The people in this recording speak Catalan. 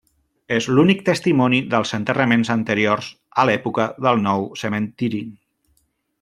És l'únic testimoni dels enterraments anteriors a l'època del nou cementiri.